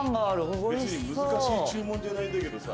・別に難しい注文じゃないんだけどさ。